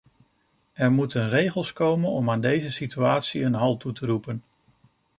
Er moeten regels komen om aan deze situatie een halt toe te roepen.